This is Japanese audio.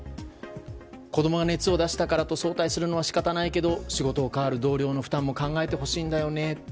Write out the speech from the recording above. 子供が熱を出したからと早退するのは仕方ないけれども仕事を変わる同僚の負担も考えてほしいんだよね。